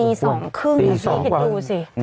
ตีสองครึ่งนะครับพี่พี่คิดดูซิ